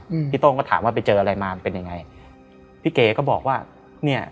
อืมพี่โต้งก็ถามว่าไปเจออะไรมามันเป็นยังไงพี่เก๋ก็บอกว่าเนี้ย